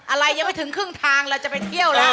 อะไรยังไม่ถึงครึ่งทางเราจะไปเที่ยวแล้ว